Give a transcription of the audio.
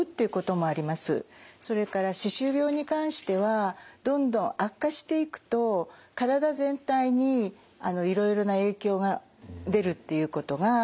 それから歯周病に関してはどんどん悪化していくと体全体にいろいろな影響が出るっていうことが分かってきています。